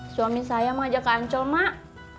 suami saya mau ajak ke ancol mak